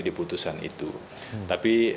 di putusan itu tapi